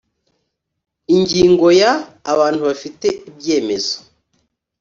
Ingingo ya Abantu bafite ibyemezo